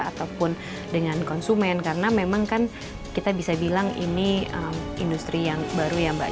ataupun dengan konsumen karena memang kan kita bisa bilang ini industri yang baru ya mbak